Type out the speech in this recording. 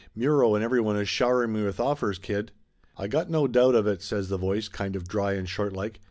Mtiro and everyone is showering me with offers, kid !" "1 got no doubt of it," says the voice, kind of dry and shortlike.